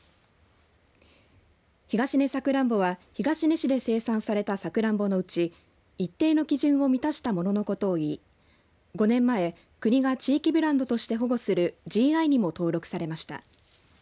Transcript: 東根さくらんぼは東根市で生産されたさくらんぼのうち一定の基準を満たしたもののことをいい５年前国が地域ブランドとして保護するＧＩにも登録されました。